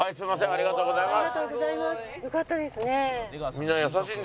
ありがとうございます。